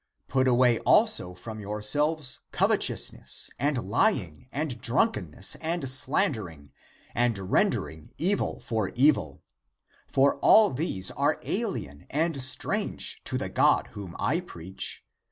Put away also from your selves covetousness, and lying, and drunkenness, and slandering,^ and rendering evil for evil !'^ For all these are alien and strange to the God whom I preach.